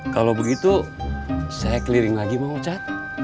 kalau begitu saya clearing lagi mang ocat